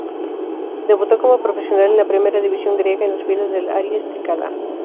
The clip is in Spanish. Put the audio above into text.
Debutó como profesional en la primera división griega, en las filas del Aries Trikala.